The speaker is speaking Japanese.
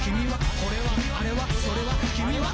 「これはあれはそれはきみは」